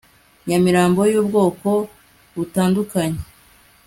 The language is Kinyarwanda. nyamirambo y'ubwoko butandukanye